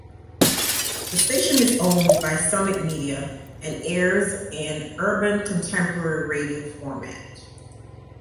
The station is owned by Summit Media and airs an urban contemporary radio format.